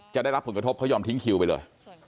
ได้รับผลกระทบเขายอมทิ้งคิวไปเลย